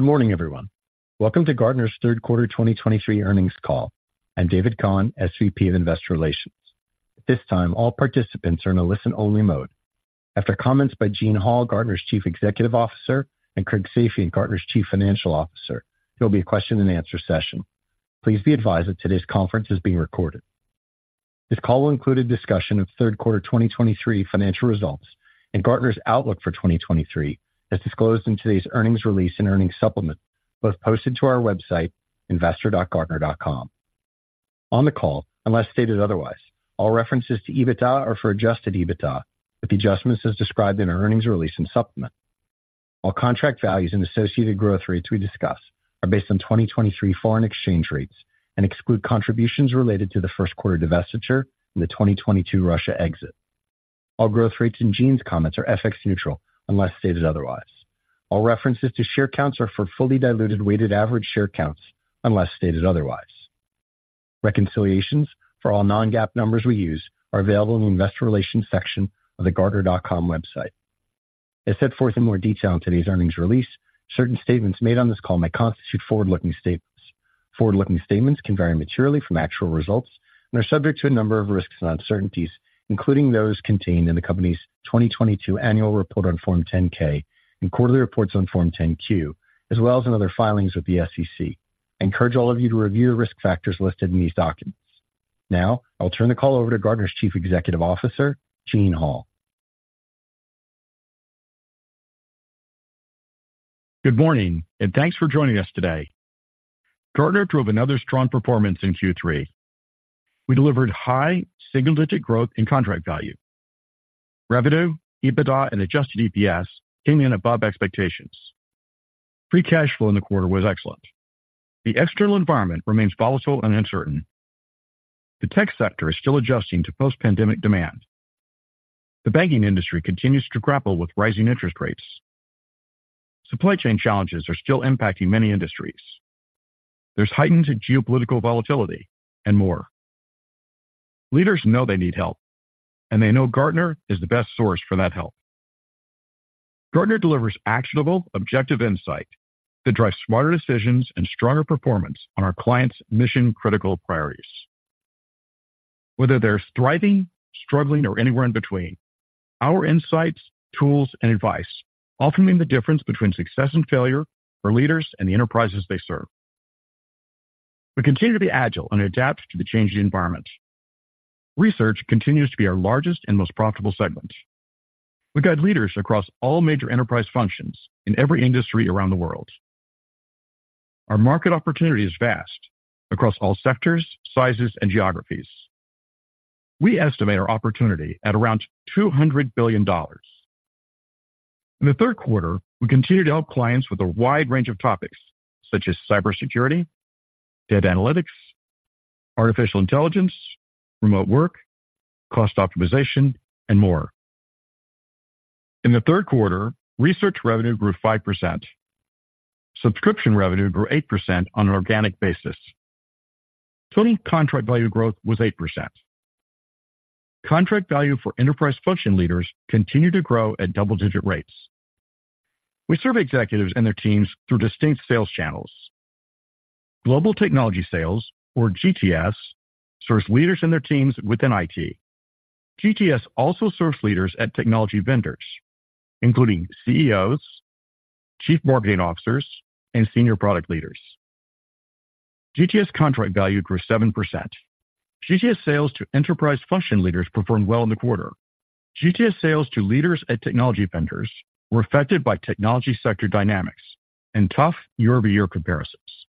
Good morning, everyone. Welcome to Gartner's third quarter 2023 earnings call. I'm David Cohen, SVP of Investor Relations. At this time, all participants are in a listen-only mode. After comments by Gene Hall, Gartner's Chief Executive Officer, and Craig Safian, Gartner's Chief Financial Officer, there will be a question-and-answer session. Please be advised that today's conference is being recorded. This call will include a discussion of third quarter 2023 financial results and Gartner's outlook for 2023, as disclosed in today's earnings release and earnings supplement, both posted to our website, investor.gartner.com. On the call, unless stated otherwise, all references to EBITDA are for adjusted EBITDA, with the adjustments as described in our earnings release and supplement. All contract values and associated growth rates we discuss are based on 2023 foreign exchange rates and exclude contributions related to the first quarter divestiture and the 2022 Russia exit. All growth rates in Gene's comments are FX neutral unless stated otherwise. All references to share counts are for fully diluted weighted average share counts, unless stated otherwise. Reconciliations for all non-GAAP numbers we use are available in the Investor Relations section of the Gartner.com website. As set forth in more detail in today's earnings release, certain statements made on this call may constitute forward-looking statements. Forward-looking statements can vary materially from actual results and are subject to a number of risks and uncertainties, including those contained in the Company's 2022 Annual Report on Form 10-K and quarterly reports on Form 10-Q, as well as in other filings with the SEC. I encourage all of you to review the risk factors listed in these documents. Now, I'll turn the call over to Gartner's Chief Executive Officer, Gene Hall. Good morning, and thanks for joining us today. Gartner drove another strong performance in Q3. We delivered high single-digit growth in contract value. Revenue, EBITDA, and Adjusted EPS came in above expectations. Free cash flow in the quarter was excellent. The external environment remains volatile and uncertain. The tech sector is still adjusting to post-pandemic demand. The banking industry continues to grapple with rising interest rates. Supply chain challenges are still impacting many industries. There's heightened geopolitical volatility and more. Leaders know they need help, and they know Gartner is the best source for that help. Gartner delivers actionable, objective insight that drives smarter decisions and stronger performance on our clients' mission-critical priorities. Whether they're thriving, struggling, or anywhere in between, our insights, tools, and advice often mean the difference between success and failure for leaders and the enterprises they serve. We continue to be agile and adapt to the changing environment. Research continues to be our largest and most profitable segment. We guide leaders across all major enterprise functions in every industry around the world. Our market opportunity is vast across all sectors, sizes, and geographies. We estimate our opportunity at around $200 billion. In the third quarter, we continued to help clients with a wide range of topics such as cybersecurity, data analytics, artificial intelligence, remote work, cost optimization, and more. In the third quarter, research revenue grew 5%. Subscription revenue grew 8% on an organic basis. Total contract value growth was 8%. Contract value for enterprise function leaders continued to grow at double-digit rates. We serve executives and their teams through distinct sales channels. Global Technology Sales, or GTS, serves leaders and their teams within IT. GTS also serves leaders at technology vendors, including CEOs, Chief Marketing Officers, and Senior Product Leaders. GTS contract value grew 7%. GTS sales to enterprise function leaders performed well in the quarter. GTS sales to leaders at technology vendors were affected by technology sector dynamics and tough year-over-year comparisons.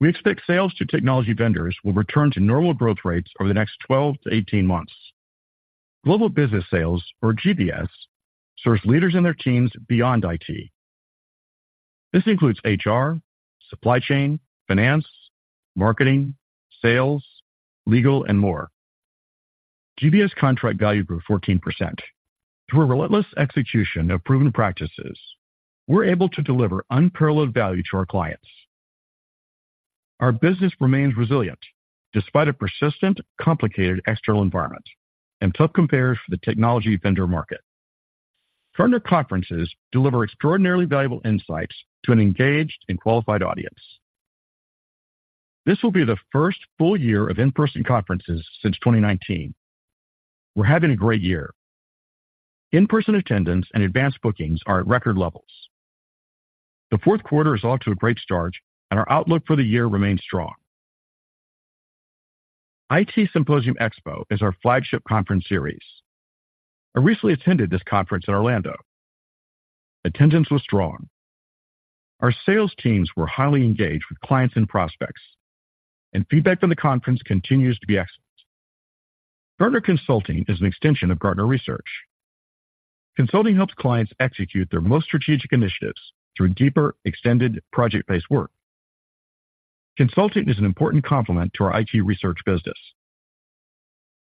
We expect sales to technology vendors will return to normal growth rates over the next 12-18 months. Global Business Sales, or GBS, serves leaders and their teams beyond IT. This includes HR, supply chain, finance, marketing, sales, legal, and more. GBS contract value grew 14%. Through a relentless execution of proven practices, we're able to deliver unparalleled value to our clients. Our business remains resilient despite a persistent, complicated external environment and tough compares for the technology vendor market. Gartner conferences deliver extraordinarily valuable insights to an engaged and qualified audience. This will be the first full year of in-person conferences since 2019. We're having a great year. In-person attendance and advance bookings are at record levels. The fourth quarter is off to a great start, and our outlook for the year remains strong. IT Symposium/Xpo is our flagship conference series. I recently attended this conference in Orlando. Attendance was strong. Our sales teams were highly engaged with clients and prospects, and feedback from the conference continues to be excellent. Gartner Consulting is an extension of Gartner Research. Consulting helps clients execute their most strategic initiatives through deeper, extended project-based work. Consulting is an important complement to our IT research business.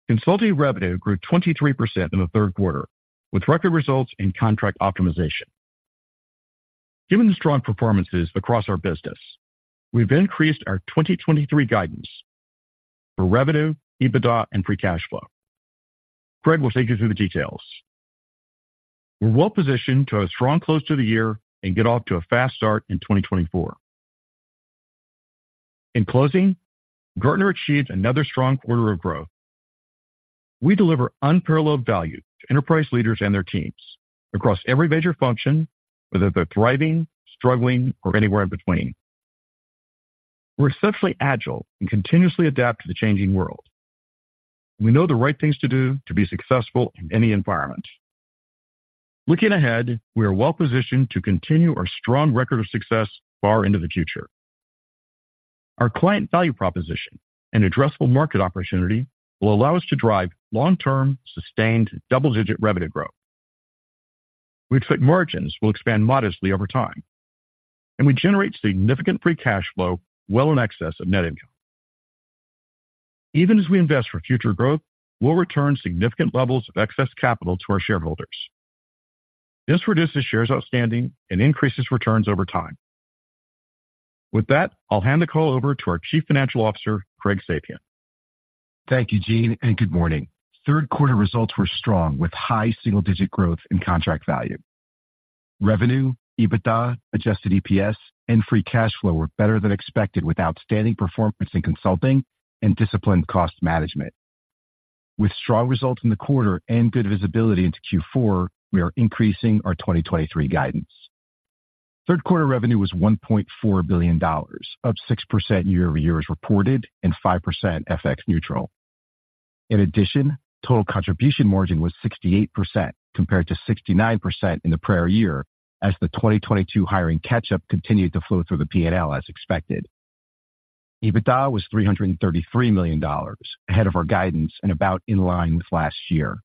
Consulting revenue grew 23% in the third quarter, with record results in contract optimization. Given the strong performances across our business, we've increased our 2023 guidance for revenue, EBITDA, and free cash flow.... Craig will take you through the details. We're well positioned to have a strong close to the year and get off to a fast start in 2024. In closing, Gartner achieved another strong quarter of growth. We deliver unparalleled value to enterprise leaders and their teams across every major function, whether they're thriving, struggling, or anywhere in between. We're exceptionally agile and continuously adapt to the changing world. We know the right things to do to be successful in any environment. Looking ahead, we are well positioned to continue our strong record of success far into the future. Our client value proposition and addressable market opportunity will allow us to drive long-term, sustained double-digit revenue growth. We expect margins will expand modestly over time, and we generate significant free cash flow well in excess of net income. Even as we invest for future growth, we'll return significant levels of excess capital to our shareholders. This reduces shares outstanding and increases returns over time. With that, I'll hand the call over to our Chief Financial Officer, Craig Safian. Thank you, Gene, and good morning. Third quarter results were strong, with high single-digit growth in contract value. Revenue, EBITDA, adjusted EPS, and free cash flow were better than expected, with outstanding performance in consulting and disciplined cost management. With strong results in the quarter and good visibility into Q4, we are increasing our 2023 guidance. Third quarter revenue was $1.4 billion, up 6% year-over-year as reported, and 5% FX neutral. In addition, total contribution margin was 68%, compared to 69% in the prior year, as the 2022 hiring catch-up continued to flow through the PNL as expected. EBITDA was $333 million, ahead of our guidance and about in line with last year.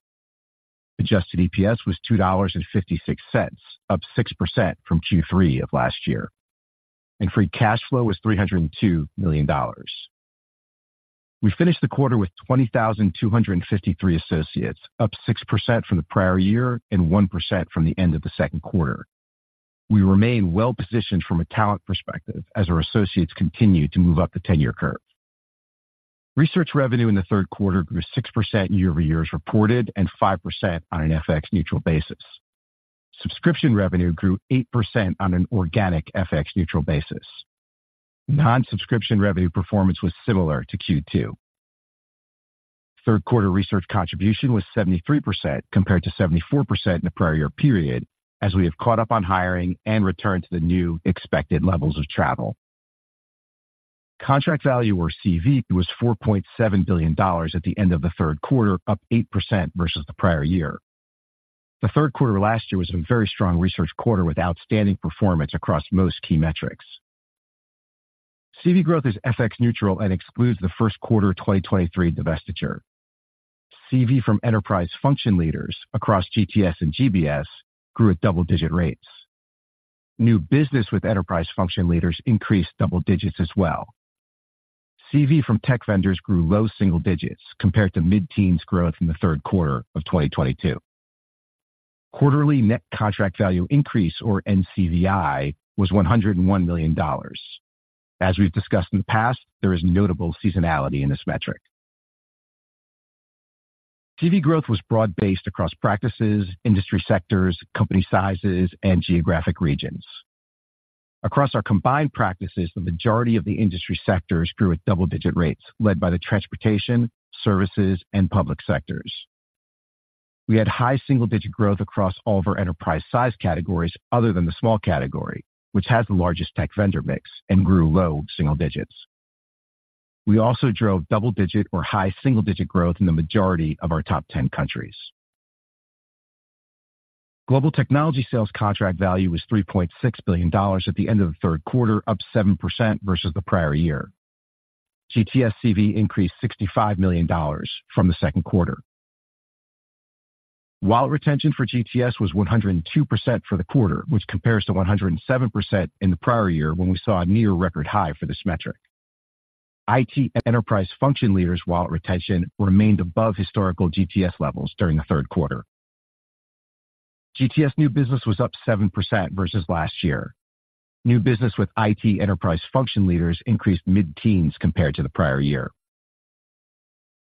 Adjusted EPS was $2.56, up 6% from Q3 of last year, and free cash flow was $302 million. We finished the quarter with 20,253 associates, up 6% from the prior year and 1% from the end of the second quarter. We remain well-positioned from a talent perspective as our associates continue to move up the tenure curve. Research revenue in the third quarter grew 6% year-over-year as reported, and 5% on an FX neutral basis. Subscription revenue grew 8% on an organic FX neutral basis. Non-subscription revenue performance was similar to Q2. Third quarter research contribution was 73%, compared to 74% in the prior year period, as we have caught up on hiring and returned to the new expected levels of travel. Contract value, or CV, was $4.7 billion at the end of the third quarter, up 8% versus the prior year. The third quarter last year was a very strong research quarter with outstanding performance across most key metrics. CV growth is FX neutral and excludes the first quarter 2023 divestiture. CV from enterprise function leaders across GTS and GBS grew at double-digit rates. New business with enterprise function leaders increased double digits as well. CV from tech vendors grew low single digits compared to mid-teens growth in the third quarter of 2022. Quarterly net contract value increase, or NCVI, was $101 million. As we've discussed in the past, there is notable seasonality in this metric. CV growth was broad-based across practices, industry sectors, company sizes, and geographic regions. Across our combined practices, the majority of the industry sectors grew at double-digit rates, led by the transportation, services, and public sectors. We had high single-digit growth across all of our enterprise size categories other than the small category, which has the largest tech vendor mix and grew low single digits. We also drove double-digit or high single-digit growth in the majority of our top 10 countries. Global technology sales contract value was $3.6 billion at the end of the third quarter, up 7% versus the prior year. GTS CV increased $65 million from the second quarter, while retention for GTS was 102% for the quarter, which compares to 107% in the prior year when we saw a near record high for this metric. IT enterprise function leaders wallet retention remained above historical GTS levels during the third quarter. GTS new business was up 7% versus last year. New business with IT enterprise function leaders increased mid-teens compared to the prior year.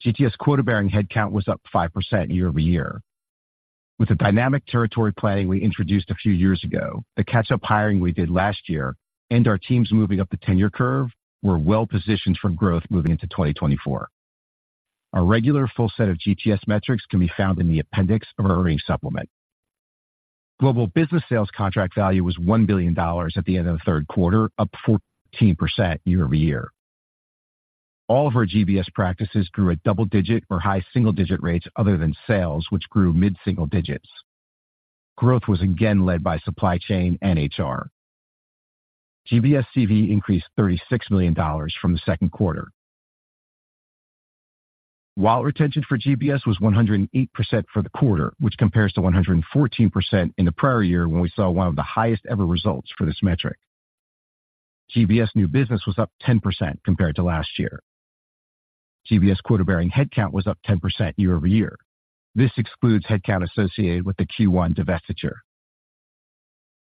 GTS quota-bearing headcount was up 5% year-over-year. With the dynamic territory planning we introduced a few years ago, the catch-up hiring we did last year and our teams moving up the tenure curve, we're well positioned for growth moving into 2024. Our regular full set of GTS metrics can be found in the appendix of our earnings supplement. Global Business Sales contract value was $1 billion at the end of the third quarter, up 14% year-over-year. All of our GBS practices grew at double-digit or high single-digit rates other than sales, which grew mid-single digits. Growth was again led by supply chain and HR. GBS CV increased $36 million from the second quarter, while retention for GBS was 108% for the quarter, which compares to 114% in the prior year when we saw one of the highest ever results for this metric. GBS new business was up 10% compared to last year. GBS quota-bearing headcount was up 10% year-over-year. This excludes headcount associated with the Q1 divestiture.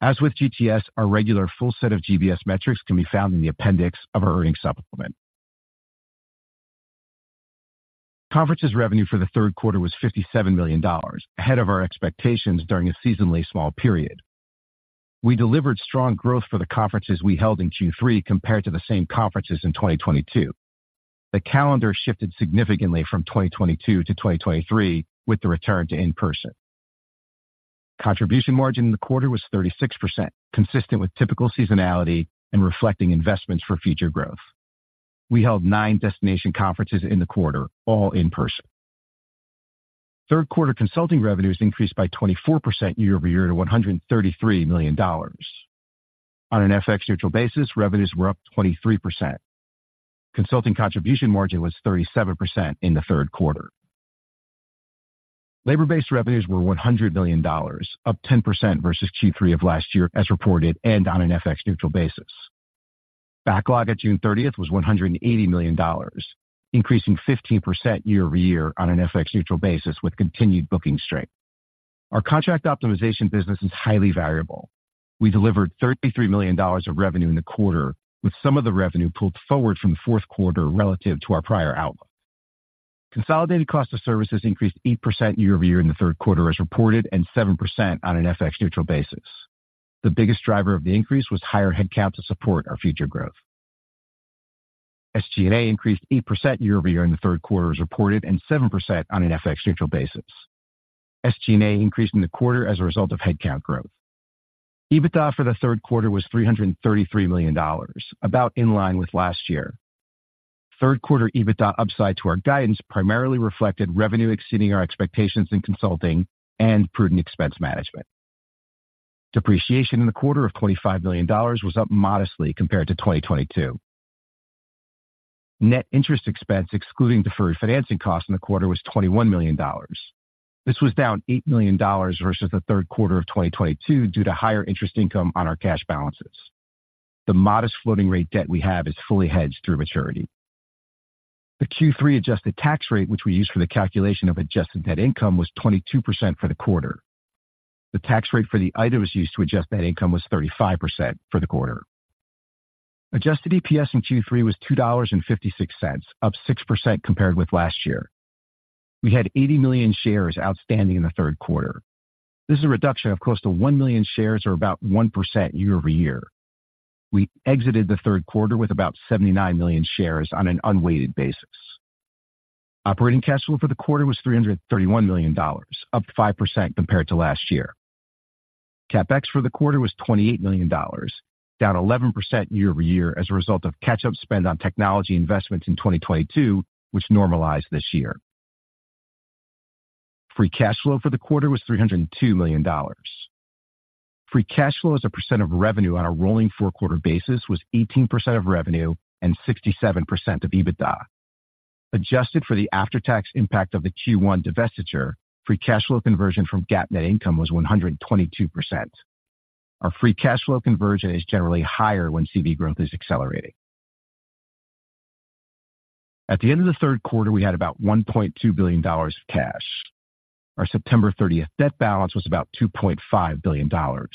As with GTS, our regular full set of GBS metrics can be found in the appendix of our earnings supplement. Conferences revenue for the third quarter was $57 million, ahead of our expectations during a seasonally small period. We delivered strong growth for the conferences we held in Q3 compared to the same conferences in 2022. The calendar shifted significantly from 2022 to 2023, with the return to in-person. Contribution margin in the quarter was 36%, consistent with typical seasonality and reflecting investments for future growth. We held nine destination conferences in the quarter, all in person. Third quarter consulting revenues increased by 24% year-over-year to $133 million. On an FX neutral basis, revenues were up 23%. Consulting contribution margin was 37% in the third quarter. Labor-based revenues were $100 million, up 10% versus Q3 of last year as reported and on an FX neutral basis. Backlog at June 30 was $180 million, increasing 15% year-over-year on an FX neutral basis with continued booking strength. Our contract optimization business is highly variable. We delivered $33 million of revenue in the quarter, with some of the revenue pulled forward from the fourth quarter relative to our prior outlook. Consolidated cost of services increased 8% year-over-year in the third quarter as reported, and 7% on an FX-neutral basis. The biggest driver of the increase was higher headcount to support our future growth. SG&A increased 8% year-over-year in the third quarter as reported, and 7% on an FX-neutral basis. SG&A increased in the quarter as a result of headcount growth. EBITDA for the third quarter was $333 million, about in line with last year. Third quarter EBITDA upside to our guidance primarily reflected revenue exceeding our expectations in consulting and prudent expense management. Depreciation in the quarter of $25 million was up modestly compared to 2022. Net interest expense, excluding deferred financing costs in the quarter, was $21 million. This was down $8 million versus the third quarter of 2022 due to higher interest income on our cash balances. The modest floating rate debt we have is fully hedged through maturity. The Q3 adjusted tax rate, which we use for the calculation of adjusted net income, was 22% for the quarter. The tax rate for the items used to adjust net income was 35% for the quarter. Adjusted EPS in Q3 was $2.56, up 6% compared with last year. We had 80 million shares outstanding in the third quarter. This is a reduction of close to 1 million shares, or about 1% year over year. We exited the third quarter with about 79 million shares on an unweighted basis. Operating cash flow for the quarter was $331 million, up 5% compared to last year. CapEx for the quarter was $28 million, down 11% year-over-year as a result of catch-up spend on technology investments in 2022, which normalized this year. Free cash flow for the quarter was $302 million. Free cash flow as a % of revenue on a rolling four-quarter basis was 18% of revenue and 67% of EBITDA. Adjusted for the after-tax impact of the Q1 divestiture, free cash flow conversion from GAAP net income was 122%. Our free cash flow conversion is generally higher when CV growth is accelerating. At the end of the third quarter, we had about $1.2 billion of cash. Our September 30th debt balance was about $2.5 billion. Our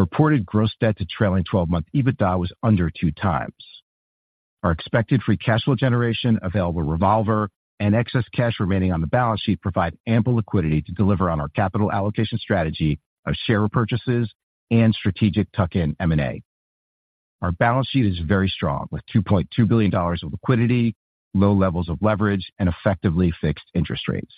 reported gross debt to trailing 12-month EBITDA was under 2x. Our expected free cash flow generation, available revolver, and excess cash remaining on the balance sheet provide ample liquidity to deliver on our capital allocation strategy of share repurchases and strategic tuck-in M&A. Our balance sheet is very strong, with $2.2 billion of liquidity, low levels of leverage, and effectively fixed interest rates.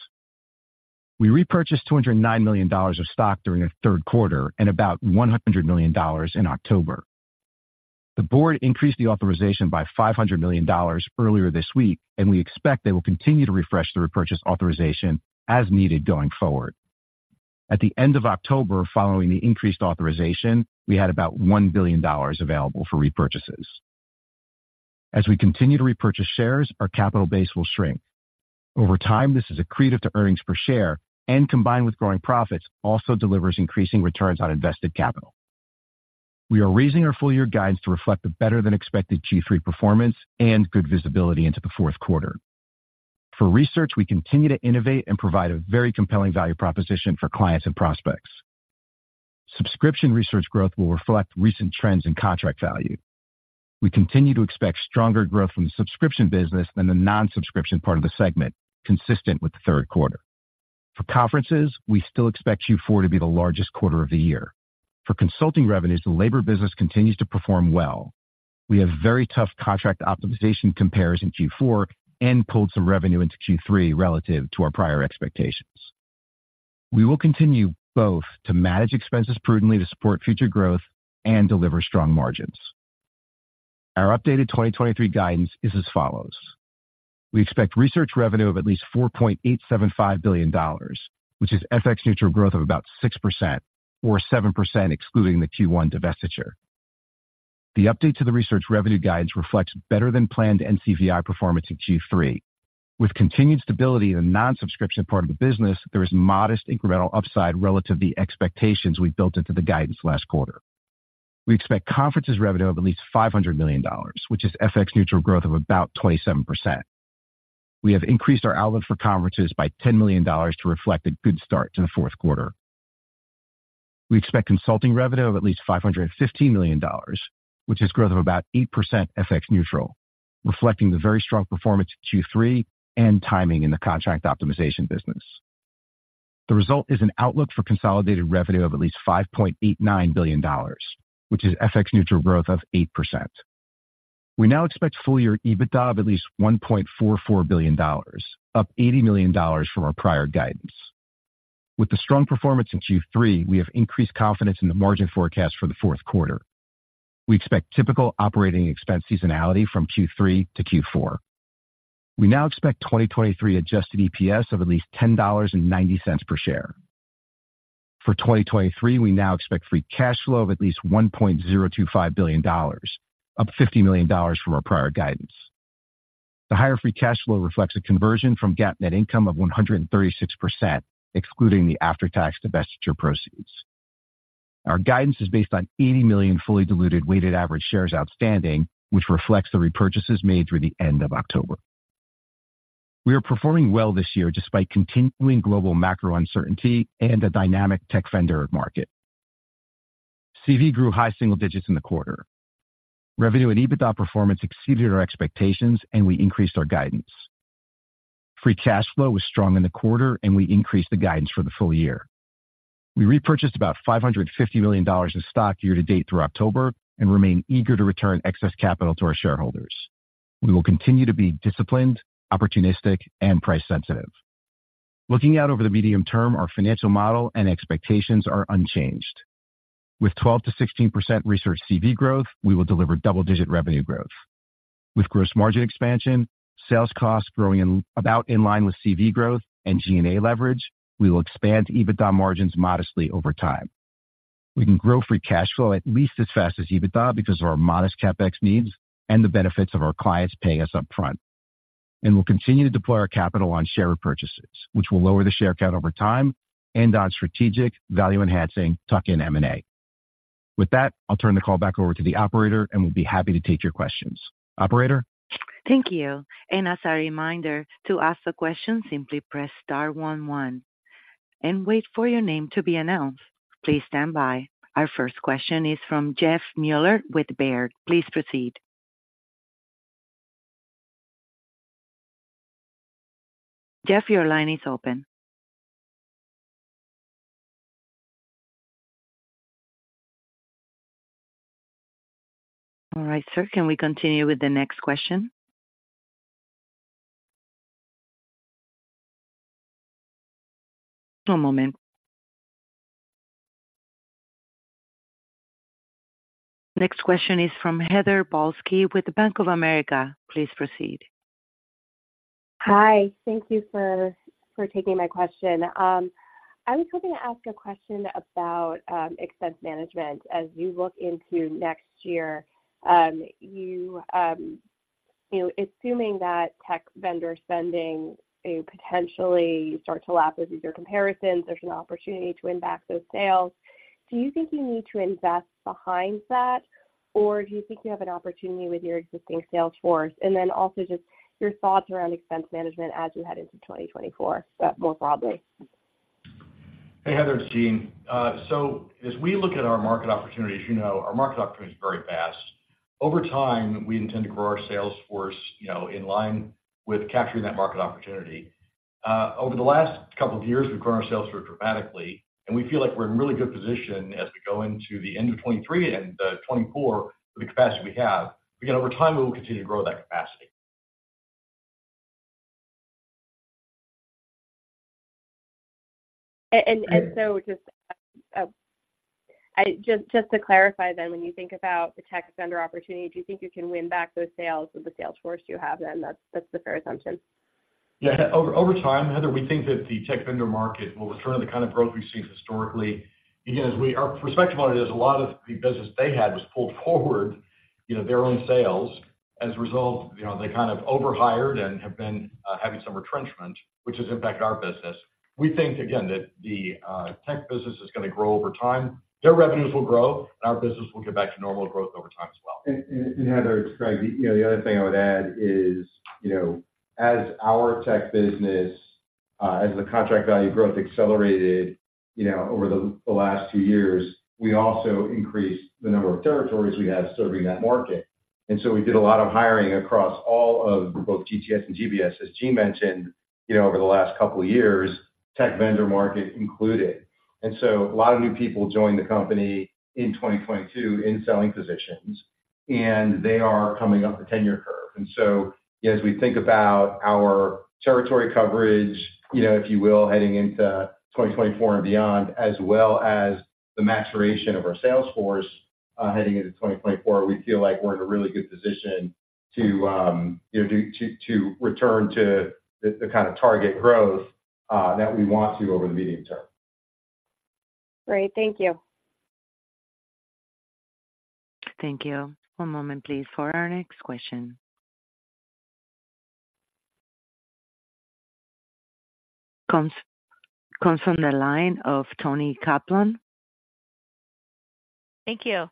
We repurchased $209 million of stock during the third quarter and about $100 million in October. The board increased the authorization by $500 million earlier this week, and we expect they will continue to refresh the repurchase authorization as needed going forward. At the end of October, following the increased authorization, we had about $1 billion available for repurchases. As we continue to repurchase shares, our capital base will shrink. Over time, this is accretive to earnings per share, and combined with growing profits, also delivers increasing returns on invested capital. We are raising our full-year guidance to reflect the better-than-expected Q3 performance and good visibility into the fourth quarter. For research, we continue to innovate and provide a very compelling value proposition for clients and prospects. Subscription research growth will reflect recent trends in contract value. We continue to expect stronger growth from the subscription business than the non-subscription part of the segment, consistent with the third quarter. For conferences, we still expect Q4 to be the largest quarter of the year. For consulting revenues, the labor business continues to perform well. We have very tough contract optimization compares in Q4 and pulled some revenue into Q3 relative to our prior expectations. We will continue both to manage expenses prudently to support future growth and deliver strong margins. Our updated 2023 guidance is as follows: We expect Research revenue of at least $4.875 billion, which is FX-neutral growth of about 6% or 7% excluding the Q1 divestiture. The update to the Research revenue guidance reflects better-than-planned NCVI performance in Q3. With continued stability in the non-subscription part of the business, there is modest incremental upside relative to the expectations we built into the guidance last quarter. We expect Conferences revenue of at least $500 million, which is FX-neutral growth of about 27%. We have increased our outlook for Conferences by $10 million to reflect a good start to the fourth quarter. We expect consulting revenue of at least $550 million, which is growth of about 8% FX neutral, reflecting the very strong performance in Q3 and timing in the contract optimization business. The result is an outlook for consolidated revenue of at least $5.89 billion, which is FX neutral growth of 8%. We now expect full year EBITDA of at least $1.44 billion, up $80 million from our prior guidance. With the strong performance in Q3, we have increased confidence in the margin forecast for the fourth quarter. We expect typical operating expense seasonality from Q3 to Q4. We now expect 2023 adjusted EPS of at least $10.90 per share. For 2023, we now expect free cash flow of at least $1.025 billion, up $50 million from our prior guidance. The higher free cash flow reflects a conversion from GAAP net income of 136%, excluding the after-tax divestiture proceeds. Our guidance is based on 80 million fully diluted weighted average shares outstanding, which reflects the repurchases made through the end of October. We are performing well this year despite continuing global macro uncertainty and a dynamic tech vendor market. CV grew high single digits in the quarter. Revenue and EBITDA performance exceeded our expectations, and we increased our guidance. Free cash flow was strong in the quarter, and we increased the guidance for the full year. We repurchased about $550 million in stock year to date through October and remain eager to return excess capital to our shareholders. We will continue to be disciplined, opportunistic and price sensitive. Looking out over the medium term, our financial model and expectations are unchanged. With 12%-16% research CV growth, we will deliver double-digit revenue growth. With gross margin expansion, sales costs growing about in line with CV growth and G&A leverage, we will expand EBITDA margins modestly over time. We can grow free cash flow at least as fast as EBITDA because of our modest CapEx needs and the benefits of our clients paying us upfront. And we'll continue to deploy our capital on share repurchases, which will lower the share count over time and on strategic value-enhancing tuck-in M&A. With that, I'll turn the call back over to the operator, and we'll be happy to take your questions. Operator? Thank you. As a reminder, to ask a question, simply press star one, one, and wait for your name to be announced. Please stand by. Our first question is from Jeff Meuler with Baird. Please proceed. Jeff, your line is open. All right, sir, can we continue with the next question? One moment. Next question is from Heather Balsky with Bank of America. Please proceed. Hi, thank you for taking my question. I was hoping to ask a question about expense management. As you look into next year, you know, assuming that tech vendor spending potentially start to lap with easier comparisons, there's an opportunity to win back those sales. Do you think you need to invest behind that, or do you think you have an opportunity with your existing sales force? And then also just your thoughts around expense management as we head into 2024, but more broadly. Hey, Heather, it's Gene. So as we look at our market opportunities, you know, our market opportunity is very vast. Over time, we intend to grow our sales force, you know, in line with capturing that market opportunity. Over the last couple of years, we've grown our sales force dramatically, and we feel like we're in a really good position as we go into the end of 2023 and 2024 with the capacity we have. Again, over time, we will continue to grow that capacity. And so just to clarify then, when you think about the tech vendor opportunity, do you think you can win back those sales with the sales force you have? Then that's a fair assumption? Yeah, over time, Heather, we think that the tech vendor market will return to the kind of growth we've seen historically. Again, our perspective on it is a lot of the business they had was pulled forward, you know, their own sales. As a result, you know, they kind of overhired and have been having some retrenchment, which has impacted our business. We think, again, that the tech business is gonna grow over time. Their revenues will grow, and our business will get back to normal growth over time as well. Heather, it's Craig. You know, the other thing I would add is, you know, as our tech business, as the contract value growth accelerated, you know, over the last two years, we also increased the number of territories we have serving that market. And so we did a lot of hiring across all of both GTS and GBS, as Gene mentioned, you know, over the last couple of years, tech vendor market included. And so a lot of new people joined the company in 2022 in selling positions, and they are coming up the tenure curve. As we think about our territory coverage, you know, if you will, heading into 2024 and beyond, as well as the maturation of our sales force, heading into 2024, we feel like we're in a really good position to, you know, to return to the kind of target growth that we want to over the medium term. Great. Thank you. Thank you. One moment, please, for our next question... Comes from the line of Toni Kaplan. Thank you.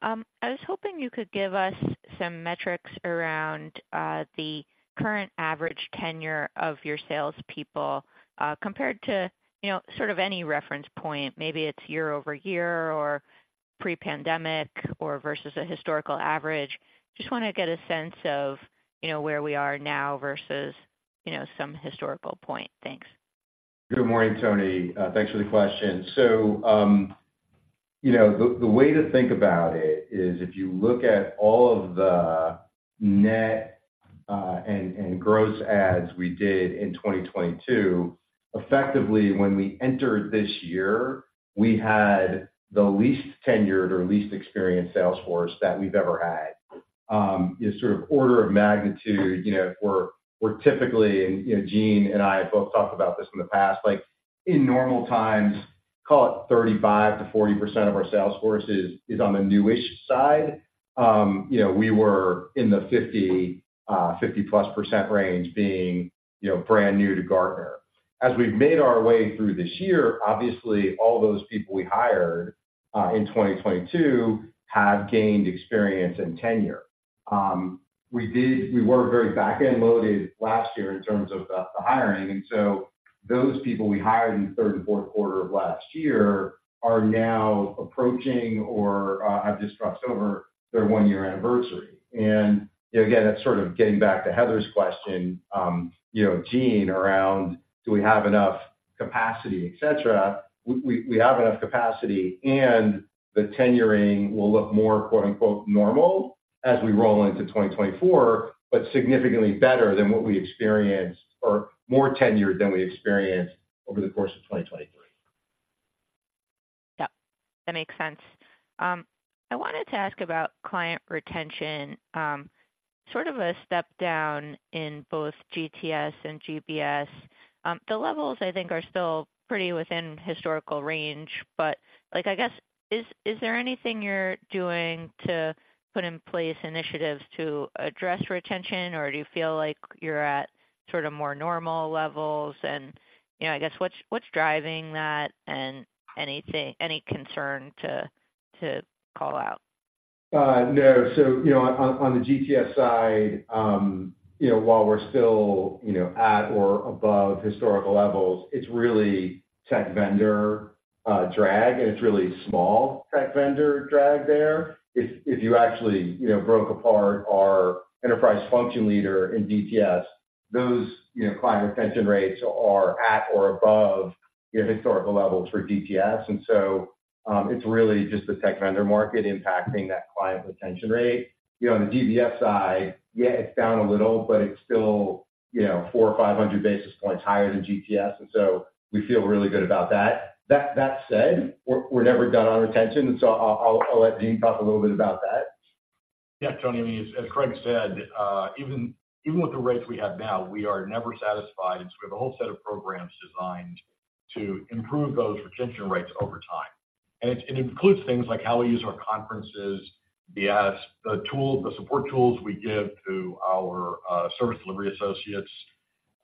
I was hoping you could give us some metrics around the current average tenure of your salespeople, compared to, you know, sort of any reference point. Maybe it's year over year or pre-pandemic or versus a historical average. Just want to get a sense of, you know, where we are now versus, you know, some historical point. Thanks. Good morning, Toni. Thanks for the question. So, you know, the way to think about it is if you look at all of the net and gross adds we did in 2022, effectively, when we entered this year, we had the least tenured or least experienced sales force that we've ever had. You know, sort of order of magnitude, you know, we're typically, and, you know, Gene and I have both talked about this in the past, like, in normal times, call it 35%-40% of our sales force is on the newish side. You know, we were in the 50, 50%+ range being, you know, brand new to Gartner. As we've made our way through this year, obviously, all those people we hired in 2022 have gained experience and tenure. We were very back-end loaded last year in terms of the hiring, and so those people we hired in the third and fourth quarter of last year are now approaching or have just crossed over their one-year anniversary. And, you know, again, that's sort of getting back to Heather's question, you know, Gene, around do we have enough capacity, etc.? We have enough capacity, and the tenuring will look more, quote, unquote, "normal" as we roll into 2024, but significantly better than what we experienced or more tenured than we experienced over the course of 2023. Yep, that makes sense. I wanted to ask about client retention. Sort of a step down in both GTS and GBS. The levels I think are still pretty within historical range, but, like, I guess, is, is there anything you're doing to put in place initiatives to address retention, or do you feel like you're at sort of more normal levels? And, you know, I guess, what's, what's driving that, and anything- any concern to, to call out? No. So, you know, on the GTS side, you know, while we're still, you know, at or above historical levels, it's really tech vendor drag, and it's really small tech vendor drag there. If you actually, you know, broke apart our enterprise function leader in GTS, those, you know, client retention rates are at or above your historical levels for GTS. And so, it's really just the tech vendor market impacting that client retention rate. You know, on the GBS side, yeah, it's down a little, but it's still, you know, 400 or 500 basis points higher than GTS, and so we feel really good about that. That said, we're never done on retention, so I'll let Gene talk a little bit about that. Yeah, Toni, I mean, as Craig said, even, even with the rates we have now, we are never satisfied. And so we have a whole set of programs designed to improve those retention rates over time. And it includes things like how we use our conferences, the tool, the support tools we give to our service delivery associates,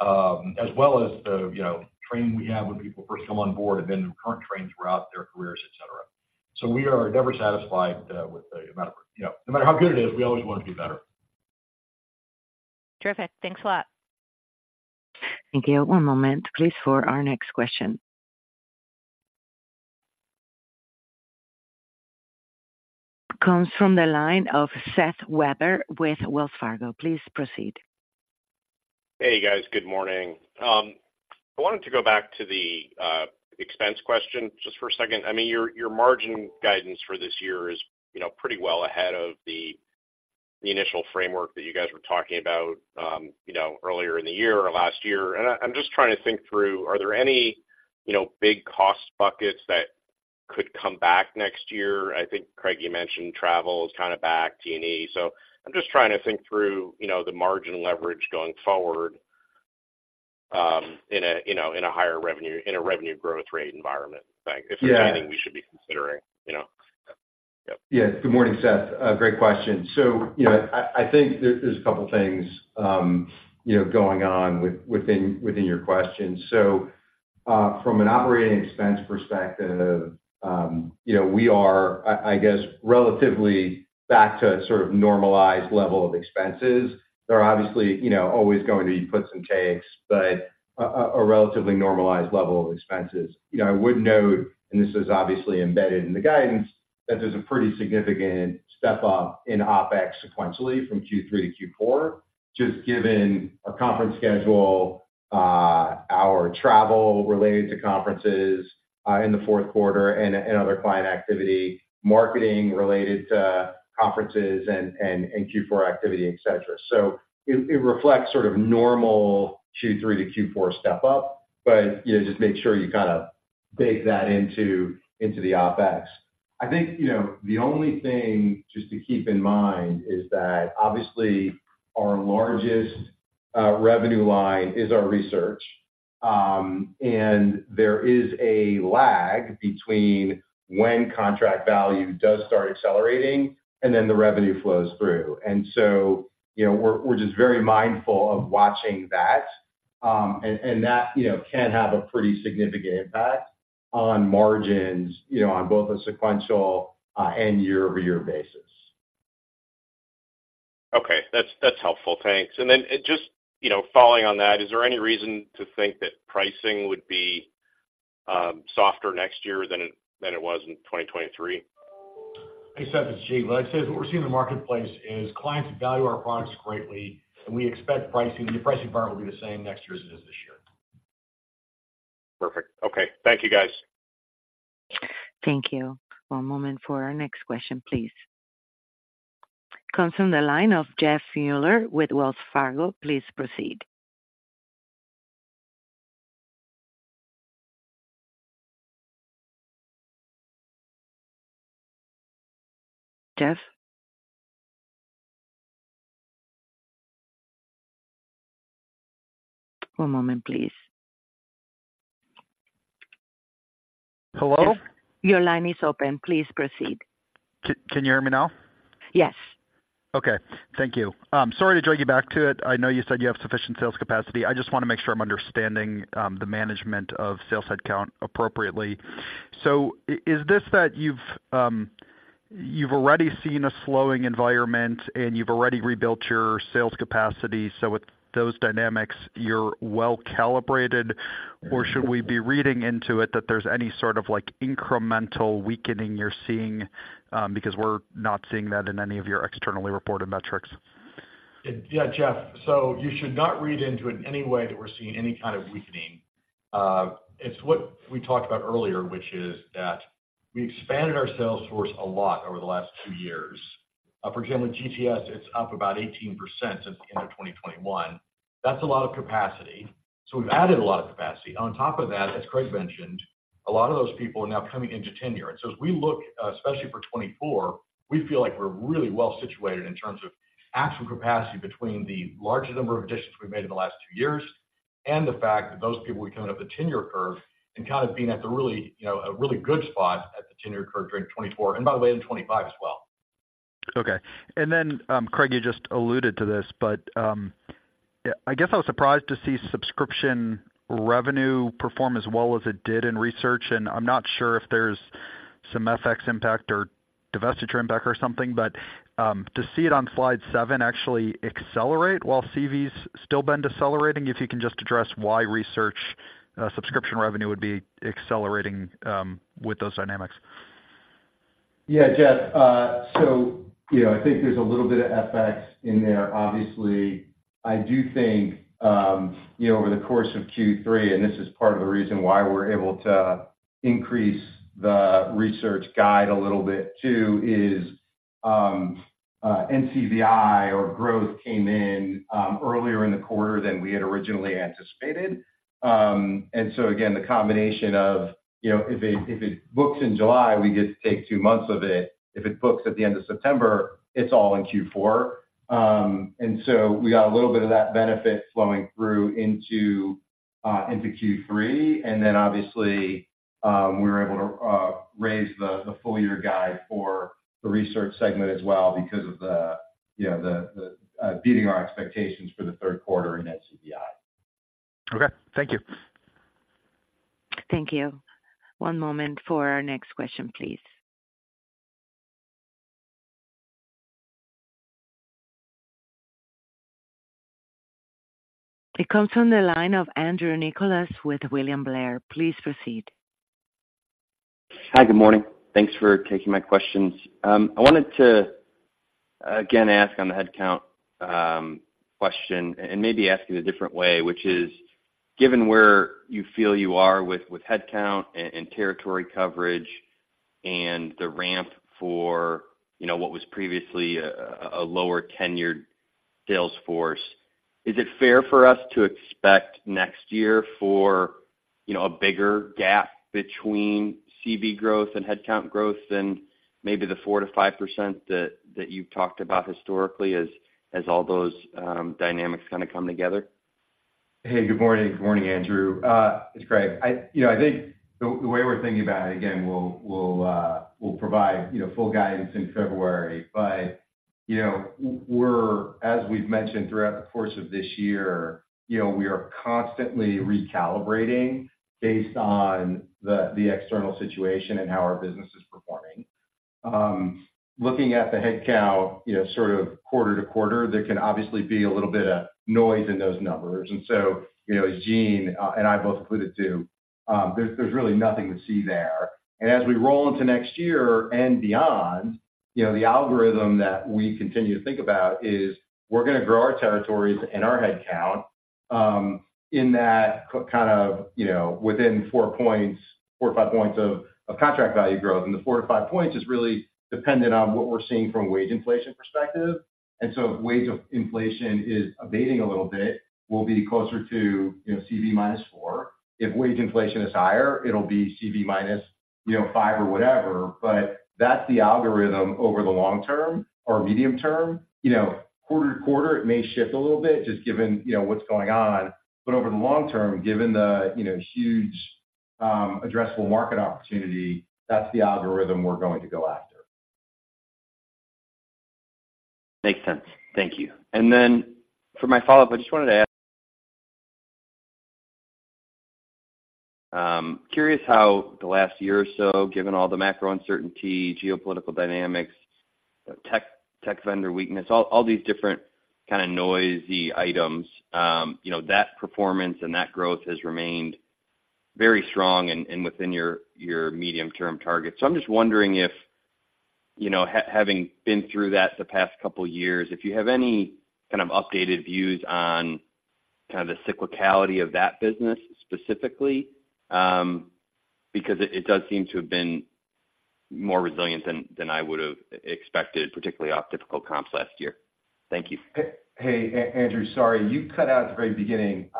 as well as the, you know, training we have when people first come on board, and then the current training throughout their careers, etc. So we are never satisfied with the amount of... You know, no matter how good it is, we always want to do better. Terrific. Thanks a lot. Thank you. One moment, please, for our next question. Comes from the line of Seth Weber with Wells Fargo. Please proceed. Hey, guys. Good morning. I wanted to go back to the expense question just for a second. I mean, your, your margin guidance for this year is, you know, pretty well ahead of the initial framework that you guys were talking about, you know, earlier in the year or last year. I'm just trying to think through, are there any, you know, big cost buckets that could come back next year? I think, Craig, you mentioned travel is kind of back, T&E. So I'm just trying to think through, you know, the margin leverage going forward, in a, you know, in a higher revenue- in a revenue growth rate environment, like- Yeah. If there's anything we should be considering, you know? Yeah. Good morning, Seth. Great question. So, you know, I think there's a couple things going on within your question. So, from an operating expense perspective, you know, we are, I guess, relatively back to a sort of normalized level of expenses. There are obviously, you know, always going to be puts and takes, but a relatively normalized level of expenses. You know, I would note, and this is obviously embedded in the guidance, that there's a pretty significant step-up in OpEx sequentially from Q3 to Q4, just given our conference schedule, our travel related to conferences in the fourth quarter and other client activity, marketing related to conferences and Q4 activity, etc. So it reflects sort of normal Q3 to Q4 step up, but, you know, just make sure you kind of bake that into the OpEx. I think, you know, the only thing just to keep in mind is that obviously our largest revenue line is our research, and there is a lag between when contract value does start accelerating and then the revenue flows through. And so, you know, we're just very mindful of watching that. And that, you know, can have a pretty significant impact on margins, you know, on both a sequential and year-over-year basis. Okay, that's, that's helpful. Thanks. And then just, you know, following on that, is there any reason to think that pricing would be softer next year than it was in 2023? Hey, Seth, it's Gene. What I'd say is what we're seeing in the marketplace is clients value our products greatly, and we expect pricing-the pricing environment will be the same next year as it is this year. Perfect. Okay. Thank you, guys. Thank you. One moment for our next question, please. Comes from the line of Jeff Meuler with Baird. Please proceed. Jeff? One moment, please. Hello? Your line is open. Please proceed. Can you hear me now? Yes. Okay. Thank you. Sorry to drag you back to it. I know you said you have sufficient sales capacity. I just want to make sure I'm understanding the management of sales headcount appropriately. So is this that you've already seen a slowing environment, and you've already rebuilt your sales capacity, so with those dynamics, you're well-calibrated? Or should we be reading into it that there's any sort of, like, incremental weakening you're seeing because we're not seeing that in any of your externally reported metrics. Yeah, Jeff. So you should not read into it in any way that we're seeing any kind of weakening. It's what we talked about earlier, which is that we expanded our sales force a lot over the last two years. For example, with GTS, it's up about 18% since the end of 2021. That's a lot of capacity. So we've added a lot of capacity. On top of that, as Craig mentioned, a lot of those people are now coming into tenure. And so as we look, especially for 2024, we feel like we're really well situated in terms of actual capacity between the largest number of additions we've made in the last two years and the fact that those people are coming up the tenure curve and kind of being at the really, you know, a really good spot at the tenure curve during 2024, and by the way, in 2025 as well. Okay. And then, Craig, you just alluded to this, but, yeah, I guess I was surprised to see subscription revenue perform as well as it did in research, and I'm not sure if there's some FX impact or divestiture impact or something, but, to see it on slide seven actually accelerate while CV's still been decelerating, if you can just address why research, subscription revenue would be accelerating, with those dynamics. Yeah, Jeff. So, you know, I think there's a little bit of FX in there. Obviously, I do think, you know, over the course of Q3, and this is part of the reason why we're able to increase the research guide a little bit, too, is, NCVI or growth came in earlier in the quarter than we had originally anticipated. And so again, the combination of, you know, if it books in July, we get to take two months of it. If it books at the end of September, it's all in Q4. And so we got a little bit of that benefit flowing through into Q3. And then obviously, we were able to raise the full year guide for the research segment as well because of, you know, the beating our expectations for the third quarter in NCVI. Okay. Thank you. Thank you. One moment for our next question, please. It comes from the line of Andrew Nicholas with William Blair. Please proceed. Hi, good morning. Thanks for taking my questions. I wanted to, again, ask on the headcount question, and maybe ask it a different way, which is: Given where you feel you are with headcount and territory coverage and the ramp for, you know, what was previously a lower tenured sales force, is it fair for us to expect next year for, you know, a bigger gap between CV growth and headcount growth than maybe the 4%-5% that you've talked about historically as all those dynamics kind of come together? Hey, good morning. Good morning, Andrew. It's Craig. You know, I think the way we're thinking about it, again, we'll provide, you know, full guidance in February, but, you know, we're, as we've mentioned throughout the course of this year, you know, we are constantly recalibrating based on the external situation and how our business is performing. Looking at the headcount, you know, sort of quarter-to-quarter, there can obviously be a little bit of noise in those numbers. And so, you know, Gene and I both included, too, there's really nothing to see there. As we roll into next year and beyond, you know, the algorithm that we continue to think about is we're going to grow our territories and our headcount in that kind of, you know, within four points, four or five points of contract value growth. The four to five points is really dependent on what we're seeing from a wage inflation perspective. So if wage inflation is abating a little bit, we'll be closer to, you know, CV -4. If wage inflation is higher, it'll be CV minus, you know, five or whatever, but that's the algorithm over the long term or medium term. You know, quarter-to-quarter, it may shift a little bit, just given, you know, what's going on. Over the long term, given the, you know, huge addressable market opportunity, that's the algorithm we're going to go after.... Makes sense. Thank you. And then for my follow-up, I just wanted to ask, curious how the last year or so, given all the macro uncertainty, geopolitical dynamics, tech vendor weakness, all these different kind of noisy items, you know, that performance and that growth has remained very strong and within your medium-term targets. So I'm just wondering if, you know, having been through that the past couple of years, if you have any kind of updated views on kind of the cyclicality of that business specifically, because it does seem to have been more resilient than I would have expected, particularly off difficult comps last year. Thank you. Hey, Andrew, sorry, you cut out at the very beginning.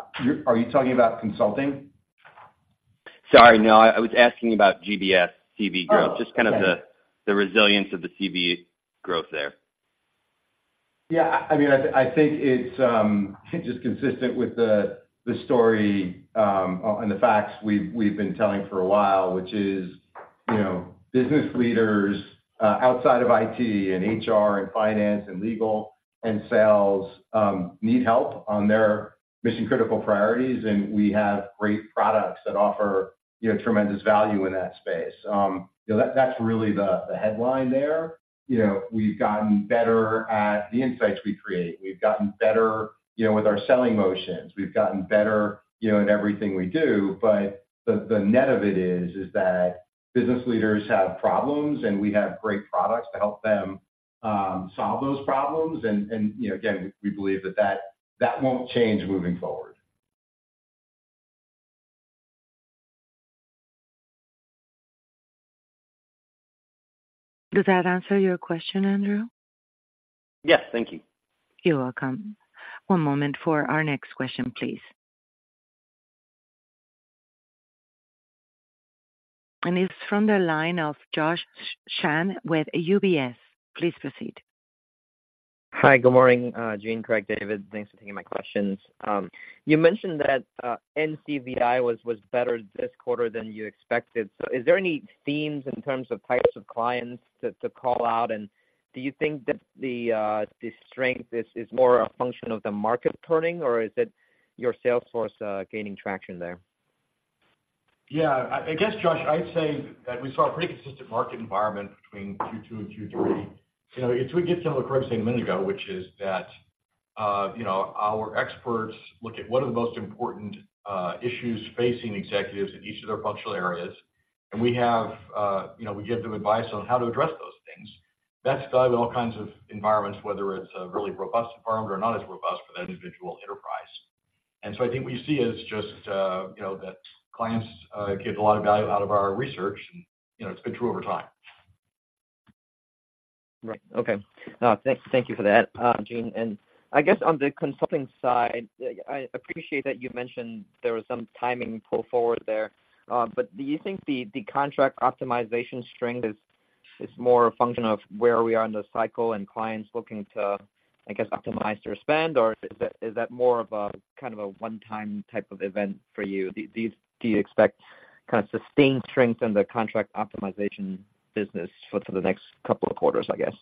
Are you talking about consulting? Sorry, no. I was asking about GBS CV growth. Oh, okay. Just kind of the resilience of the CV growth there. Yeah, I mean, I think it's just consistent with the story and the facts we've been telling for a while, which is, you know, business leaders outside of IT and HR and finance and legal and sales need help on their mission-critical priorities, and we have great products that offer, you know, tremendous value in that space. You know, that's really the headline there. You know, we've gotten better at the insights we create. We've gotten better, you know, with our selling motions. We've gotten better, you know, in everything we do. But the net of it is that business leaders have problems, and we have great products to help them solve those problems, and, you know, again, we believe that won't change moving forward. Does that answer your question, Andrew? Yes. Thank you. You're welcome. One moment for our next question, please. It's from the line of Josh Chan with UBS. Please proceed. Hi, good morning, Gene, Craig, David. Thanks for taking my questions. You mentioned that NCVI was better this quarter than you expected. So is there any themes in terms of types of clients to call out? And do you think that the strength is more a function of the market turning, or is it your sales force gaining traction there? Yeah, I guess, Josh, I'd say that we saw a pretty consistent market environment between Q2 and Q3. You know, it's we get to what Craig said a minute ago, which is that, you know, our experts look at what are the most important issues facing executives in each of their functional areas. And we have, you know, we give them advice on how to address those things. That's value in all kinds of environments, whether it's a really robust environment or not as robust for that individual enterprise. And so I think what you see is just, you know, that clients get a lot of value out of our research, and, you know, it's been true over time. Right. Okay. Thank you for that, Gene. And I guess on the consulting side, I appreciate that you mentioned there was some timing pull forward there, but do you think the contract optimization strength is more a function of where we are in the cycle and clients looking to, I guess, optimize their spend, or is that more of a kind of a one-time type of event for you? Do you expect kind of sustained strength in the contract optimization business for the next couple of quarters, I guess?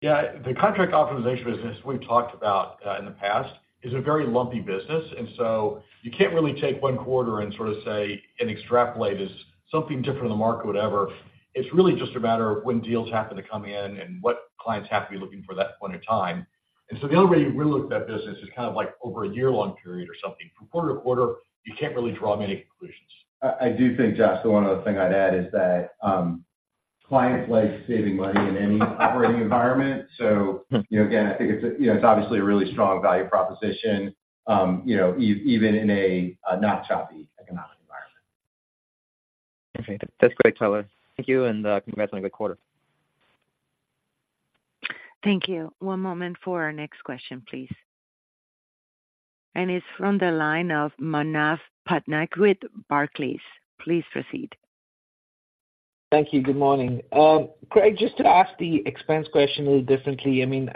Yeah, the contract optimization business, we've talked about in the past, is a very lumpy business, and so you can't really take one quarter and sort of say and extrapolate, is something different in the market, whatever. It's really just a matter of when deals happen to come in and what clients happen to be looking for that point in time. And so the only way you really look at that business is kind of like over a year-long period or something. From quarter-to-quarter, you can't really draw many conclusions. I, I do think, Josh, the one other thing I'd add is that, clients like saving money in any operating environment. So, you know, again, I think it's, you know, it's obviously a really strong value proposition, you know, even in a not choppy economic environment. Okay. That's great, fellas. Thank you, and, congrats on a good quarter. Thank you. One moment for our next question, please. It's from the line of Manav Patnaik with Barclays. Please proceed. Thank you. Good morning. Craig, just to ask the expense question a little differently, I mean,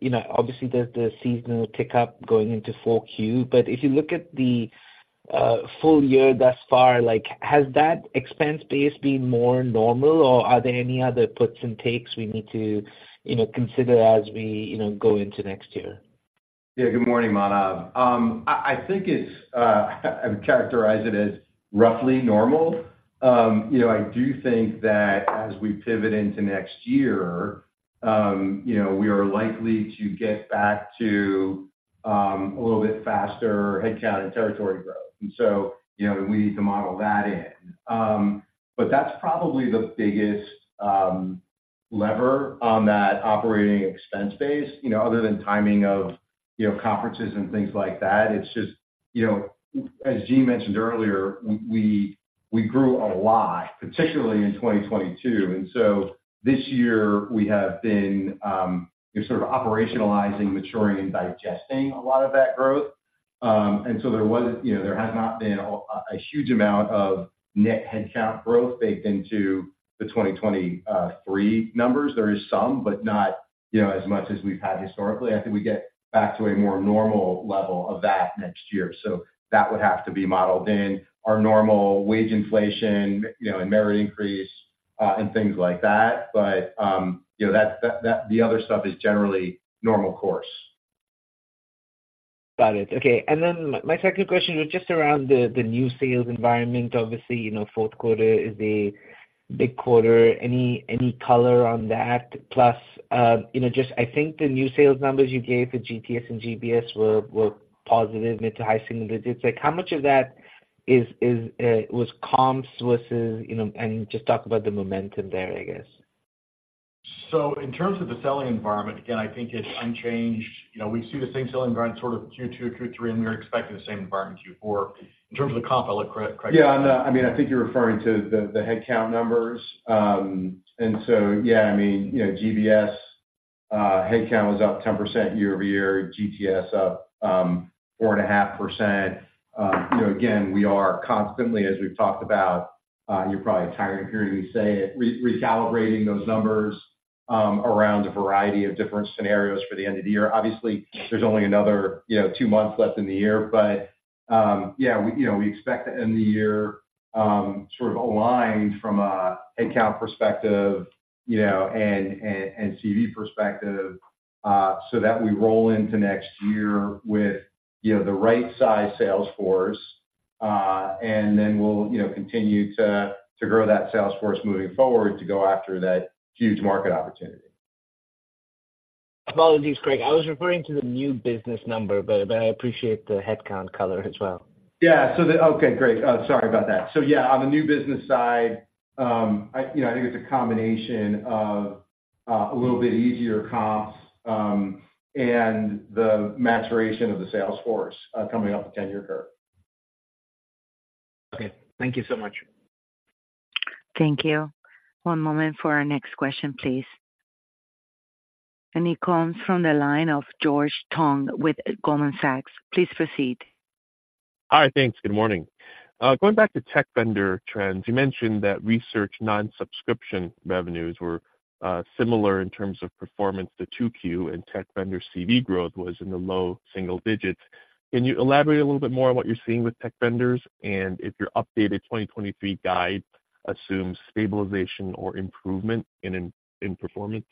you know, obviously, there's the seasonal tick-up going into 4Q, but if you look at the full year thus far, like, has that expense base been more normal, or are there any other puts and takes we need to, you know, consider as we, you know, go into next year? Yeah. Good morning, Manav. I think it's, I would characterize it as roughly normal. You know, I do think that as we pivot into next year, you know, we are likely to get back to a little bit faster headcount and territory growth. And so, you know, we need to model that in. But that's probably the biggest lever on that operating expense base, you know, other than timing of, you know, conferences and things like that. It's just, you know, as Gene mentioned earlier, we grew a lot, particularly in 2022, and so this year we have been, you know, sort of operationalizing, maturing, and digesting a lot of that growth. And so there wasn't, you know, there has not been a huge amount of net headcount growth baked into the 2023 numbers. There is some, but not, you know, as much as we've had historically. I think we get back to a more normal level of that next year, so that would have to be modeled in. Our normal wage inflation, you know, and merit increase, and things like that, but, you know, that the other stuff is generally normal course. ... Got it. Okay, and then my second question was just around the new sales environment. Obviously, you know, fourth quarter is a big quarter. Any color on that? Plus, you know, just I think the new sales numbers you gave for GTS and GBS were positive, mid to high single digits. Like, how much of that is was comps versus, you know, and just talk about the momentum there, I guess. So in terms of the selling environment, again, I think it's unchanged. You know, we see the same selling environment sort of Q2, Q3, and we're expecting the same environment Q4. In terms of the comp outlet, Craig- Yeah, no, I mean, I think you're referring to the headcount numbers. And so, yeah, I mean, you know, GBS headcount was up 10% year-over-year, GTS up 4.5%. You know, again, we are constantly, as we've talked about, you're probably tired of hearing me say it, recalibrating those numbers around a variety of different scenarios for the end of the year. Obviously, there's only another, you know, two months left in the year, but, yeah, we, you know, we expect to end the year sort of aligned from a headcount perspective, you know, and CV perspective, so that we roll into next year with, you know, the right-sized sales force. And then we'll, you know, continue to grow that sales force moving forward to go after that huge market opportunity. Apologies, Craig. I was referring to the new business number, but, but I appreciate the headcount color as well. Yeah. So... Okay, great. Sorry about that. So, yeah, on the new business side, you know, I think it's a combination of a little bit easier comps, and the maturation of the sales force, coming off the tenure curve. Okay, thank you so much. Thank you. One moment for our next question, please. And it comes from the line of George Tong with Goldman Sachs. Please proceed. Hi, thanks. Good morning. Going back to tech vendor trends, you mentioned that research non-subscription revenues were similar in terms of performance to 2Q, and tech vendor CV growth was in the low single digits. Can you elaborate a little bit more on what you're seeing with tech vendors, and if your updated 2023 guide assumes stabilization or improvement in performance?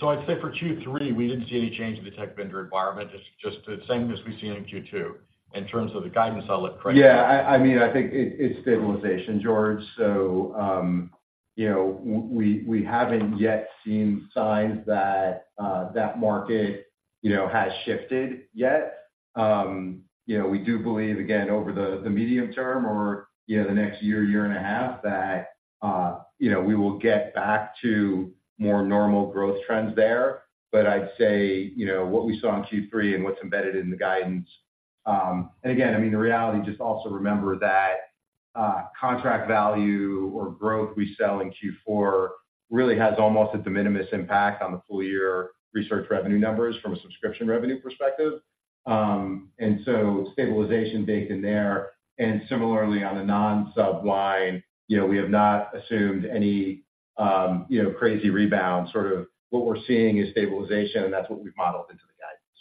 So I'd say for Q3, we didn't see any change in the tech vendor environment. It's just the same as we've seen in Q2. In terms of the guidance outlook, Craig- Yeah, I mean, I think it's stabilization, George. So, you know, we haven't yet seen signs that that market, you know, has shifted yet. You know, we do believe, again, over the medium term or, you know, the next year, year and a half, that, you know, we will get back to more normal growth trends there. But I'd say, you know, what we saw in Q3 and what's embedded in the guidance, and again, I mean, the reality just also remember that, contract value or growth we sell in Q4 really has almost a de minimis impact on the full year research revenue numbers from a subscription revenue perspective. And so stabilization baked in there, and similarly, on a non-sub line, you know, we have not assumed any, you know, crazy rebound. Sort of what we're seeing is stabilization, and that's what we've modeled into the guidance.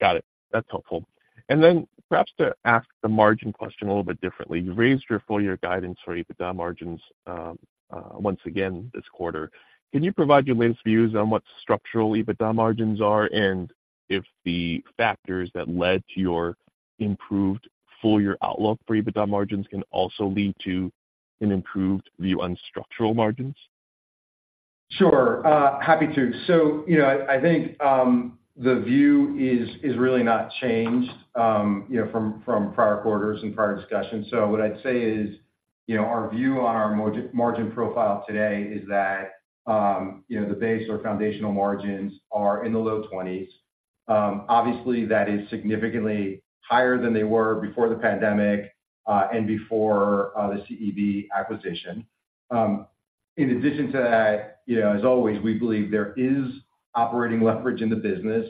Got it. That's helpful. And then perhaps to ask the margin question a little bit differently. You raised your full year guidance for EBITDA margins, once again this quarter. Can you provide your latest views on what structural EBITDA margins are, and if the factors that led to your improved full year outlook for EBITDA margins can also lead to an improved view on structural margins? Sure, happy to. So, you know, I, I think the view is really not changed, you know, from prior quarters and prior discussions. So what I'd say is, you know, our view on our margin profile today is that, you know, the base or foundational margins are in the low 20s. Obviously, that is significantly higher than they were before the pandemic and before the CEB acquisition. In addition to that, you know, as always, we believe there is operating leverage in the business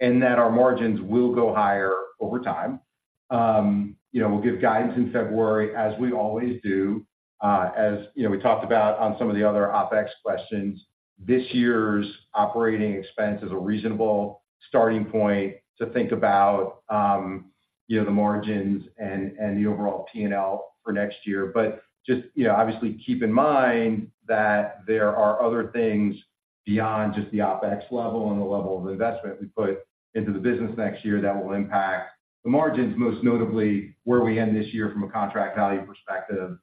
and that our margins will go higher over time. You know, we'll give guidance in February, as we always do. As you know, we talked about on some of the other OpEx questions, this year's operating expense is a reasonable starting point to think about, you know, the margins and, and the overall P&L for next year. But just, you know, obviously keep in mind that there are other things beyond just the OpEx level and the level of investment we put into the business next year that will impact the margins, most notably where we end this year from a contract value perspective,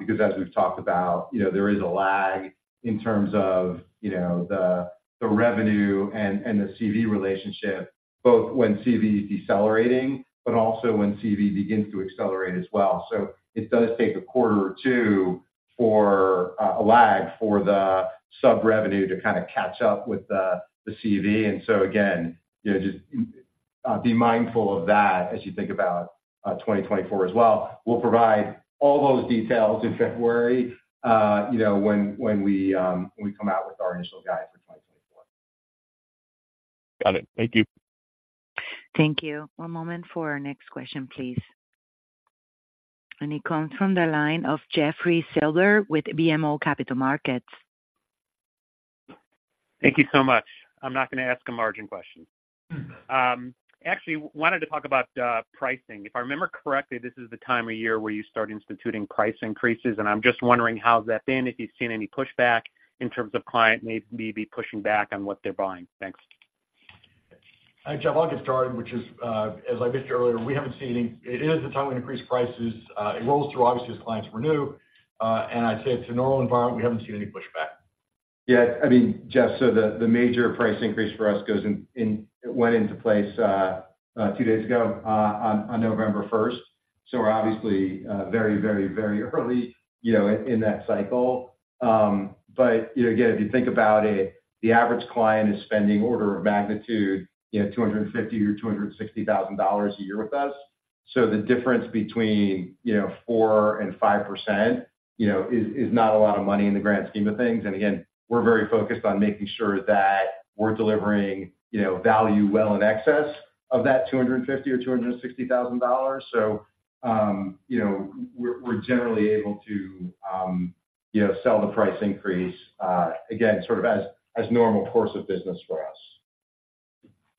because as we've talked about, you know, there is a lag in terms of, you know, the, the revenue and, and the CV relationship, both when CV is decelerating, but also when CV begins to accelerate as well. So it does take a quarter or two for a lag for the sub-revenue to kind of catch up with the, the CV. And so again, you know, just, be mindful of that as you think about, 2024 as well. We'll provide all those details in February, you know, when we come out with our initial guide for 2024. Got it. Thank you. Thank you. One moment for our next question, please. And it comes from the line of Jeffrey Silber with BMO Capital Markets. Thank you so much. I'm not gonna ask a margin question. Actually, wanted to talk about pricing. If I remember correctly, this is the time of year where you start instituting price increases, and I'm just wondering how that's been, if you've seen any pushback in terms of client maybe pushing back on what they're buying. Thanks, cheers.... Hi, Jeff, I'll get started, which is, as I mentioned earlier, we haven't seen any. It is the time we increase prices. It rolls through obviously, as clients renew, and I'd say it's a normal environment. We haven't seen any pushback. Yeah, I mean, Jeff, so the major price increase for us went into place two days ago on November first. So we're obviously very, very, very early, you know, in that cycle. But, you know, again, if you think about it, the average client is spending order of magnitude, you know, $250,000 or $260,000 a year with us. So the difference between, you know, 4% and 5%, you know, is not a lot of money in the grand scheme of things. And again, we're very focused on making sure that we're delivering, you know, value well in excess of that $250,000 or $260,000. You know, we're generally able to, you know, sell the price increase, again, sort of as normal course of business for us.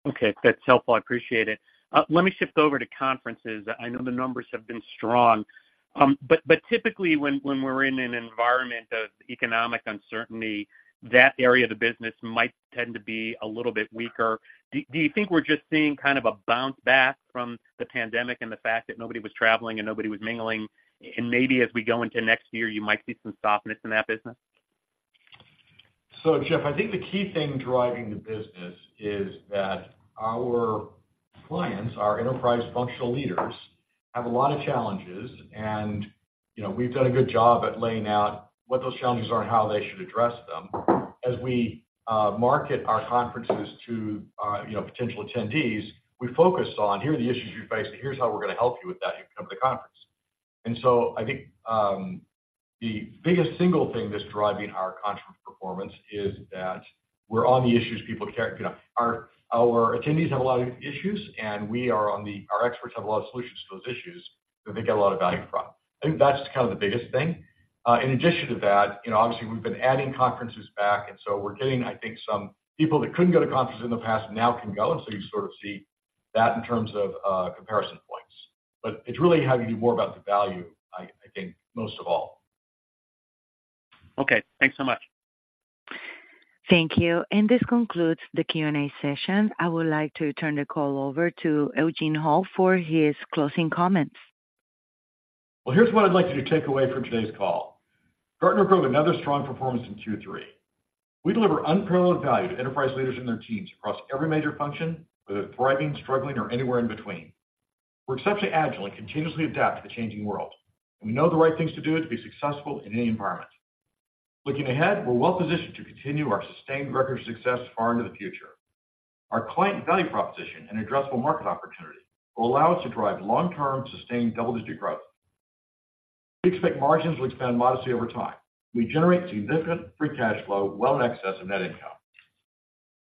Okay. That's helpful. I appreciate it. Let me shift over to conferences. I know the numbers have been strong, but typically when we're in an environment of economic uncertainty, that area of the business might tend to be a little bit weaker. Do you think we're just seeing kind of a bounce back from the pandemic and the fact that nobody was traveling and nobody was mingling, and maybe as we go into next year, you might see some softness in that business? So, Jeff, I think the key thing driving the business is that our clients, our enterprise functional leaders, have a lot of challenges. And, you know, we've done a good job at laying out what those challenges are and how they should address them. As we market our conferences to you know, potential attendees, we focus on: Here are the issues you face, and here's how we're going to help you with that if you come to the conference. And so I think the biggest single thing that's driving our conference performance is that we're on the issues people care about, you know, our attendees have a lot of issues, and our experts have a lot of solutions to those issues that they get a lot of value from. I think that's kind of the biggest thing. In addition to that, you know, obviously, we've been adding conferences back, and so we're getting, I think, some people that couldn't go to conferences in the past now can go, and so you sort of see that in terms of comparison points. But it's really having more about the value, I think, most of all. Okay, thanks so much. Thank you. This concludes the Q&A session. I would like to turn the call over to Eugene Hall for his closing comments. Well, here's what I'd like you to take away from today's call. Gartner grew another strong performance in Q3. We deliver unparalleled value to enterprise leaders and their teams across every major function, whether thriving, struggling, or anywhere in between. We're exceptionally agile and continuously adapt to the changing world. We know the right things to do to be successful in any environment. Looking ahead, we're well positioned to continue our sustained record success far into the future. Our client value proposition and addressable market opportunity will allow us to drive long-term, sustained double-digit growth. We expect margins to expand modestly over time. We generate significant free cash flow well in excess of net income.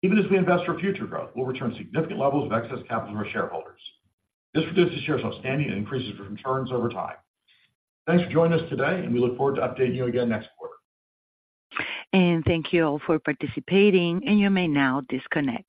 Even as we invest for future growth, we'll return significant levels of excess capital to our shareholders. This reduces shares outstanding and increases returns over time. Thanks for joining us today, and we look forward to updating you again next quarter. Thank you all for participating, and you may now disconnect.